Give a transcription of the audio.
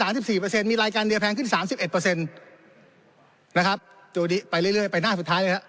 อันนี้รายการเนี่ยแพงขึ้น๓๑นะครับโดยดิไปเรื่อยไปหน้าสุดท้ายเลยครับ